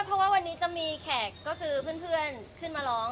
เพราะว่าวันนี้จะมีแขกก็คือเพื่อนขึ้นมาร้อง